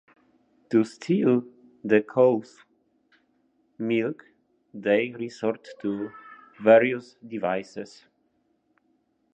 To steal the cows' milk they resort to various devices.